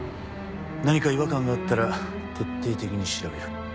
何か違和感があったら徹底的に調べる。